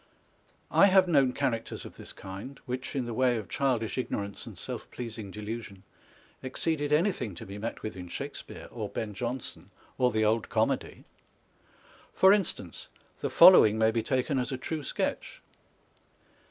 I have known characters of this kind, which, in the way of childish ignorance and self pleasing delusion, exceeded anything to be met with in Shakespear or Ben Jonson, or the old comedy. For instance, the following may be taken as a time sketch.